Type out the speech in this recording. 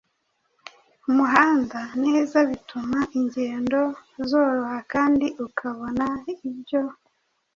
umuhanda neza bituma ingendo zoroha kandi ukabona ibyo